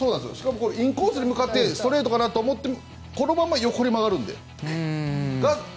インコースに向かってストレートかと思ったらこのまま横に曲がるんで。